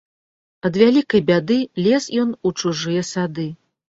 Ад вялікай бяды лез ён у чужыя сады.